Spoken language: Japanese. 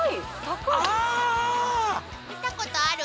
見たことある？